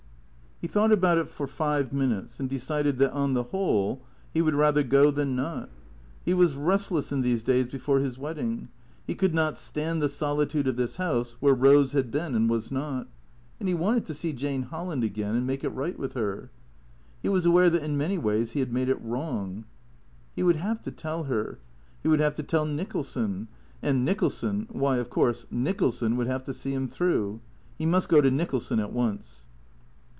He thought about it for five minutes, and de cided that on the whole he would rather go than not. He was restless in these days before his wedding. He could not stand the solitude of this house where Eose had been and was not. And he wanted to see Jane Holland again and make it right with her. He was aware that in many ways he had made it wrong. He would have to tell her. He would have to tell Nicholson. And Nicholson, why, of course, Nicholson would have to see him through. He must go to Nicholson at once.